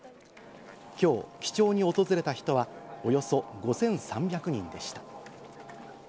きょう、記帳に訪れた人はおよそ５３００人でした。